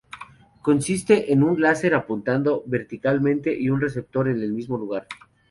Consiste en un láser apuntando verticalmente, y un receptor en el mismo lugar.